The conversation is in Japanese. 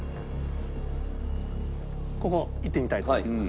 ここいってみたいと思います。